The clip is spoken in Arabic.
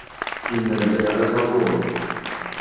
إِنَّ الْجَمَلَ صَبُورٌ.